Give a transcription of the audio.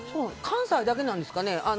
関西だけなんですかね。